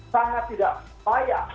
sangat tidak layak